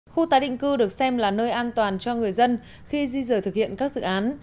khu tái định cư được xem là nơi an toàn cho người dân khi di rời thực hiện các dự án